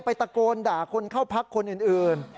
ตะโกนด่าคนเข้าพักคนอื่น